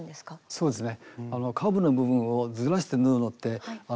そうですね。